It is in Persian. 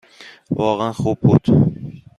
واقعاً خوب بود.